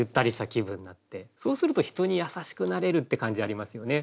そうすると人に優しくなれるって感じありますよね。